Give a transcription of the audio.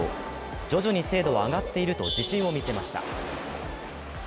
徐々に精度は上がっていると自信を見せました。